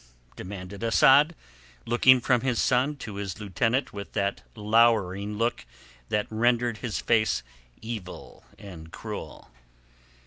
demanded Asad, looking from his son to his lieutenant with that lowering look that rendered his face evil and cruel.